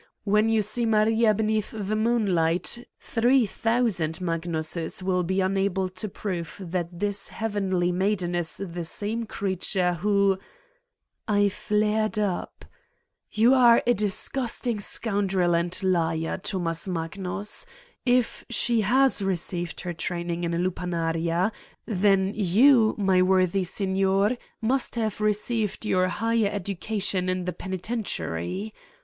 When you see Maria beneath the moon night, 3000 Magnuses will be unable to prove that this heavenly maiden is the same creature who .,. I flared up: "You are a disgusting scoundrel and liar, Thomas Magnus ! If she has received her train ing in a lupanaria, then you, my worthy signor, must have received your higher education in the penitentiary.